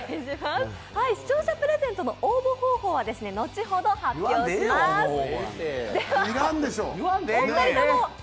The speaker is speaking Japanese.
視聴者プレゼントの応募方法は後ほどお伝えします。